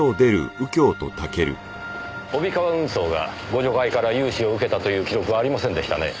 帯川運送が互助会から融資を受けたという記録はありませんでしたね。